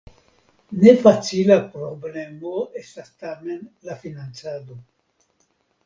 Ne facila problemo estas tamen la financado.